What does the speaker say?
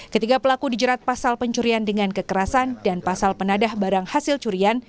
ketiga pelaku dijerat pasal pencurian dengan kekerasan dan pasal penadah barang hasil curian